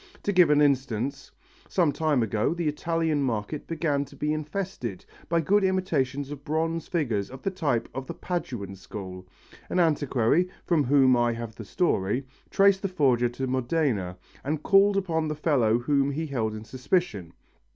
To give an instance: some time ago the Italian market began to be infested by good imitations of bronze figures of the type of the Paduan school. An antiquary, from whom I have the story, traced the forger to Modena and called upon the fellow whom he held in suspicion.